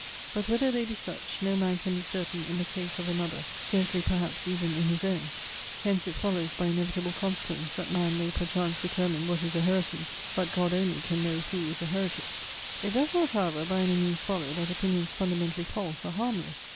But whether they be such, no man can be certain in the case of another, scarcely perhaps even in his own. Hence it follows by inevitable consequence, that man may perchance determine what is a heresy; but God only can know who is a heretic. It does not, however, by any means follow that opinions fundamentally false are harmless.